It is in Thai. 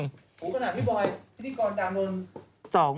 ถูกขนาดพี่บอยพิธีกรดำรวม